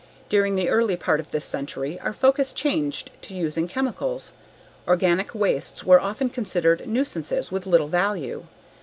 During the early part of this century, our focus changed to using chemicals; organic wastes were often considered nuisances with little value.